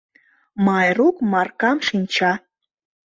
Майрук Маркам шинча.